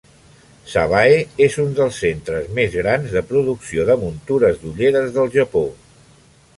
Sabae és un dels centres més grans de producció de muntures d'ulleres del Japó.